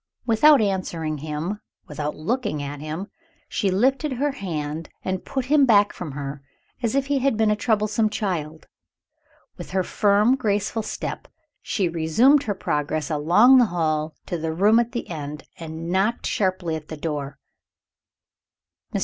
Without answering him, without looking at him, she lifted her hand, and put him back from her as if he had been a troublesome child. With her firm graceful step, she resumed her progress along the hall to the room at the end, and knocked sharply at the door. Mr.